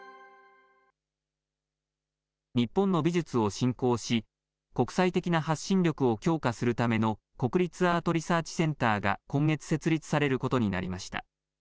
日本の美術を振興し、国際的な発信力を強化するための国立アートリサーチセンターが、今月設立されることになりました。